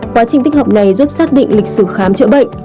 quá trình tích hợp này giúp xác định lịch sử khám chữa bệnh